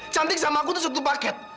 cantik sama aku itu suatu paket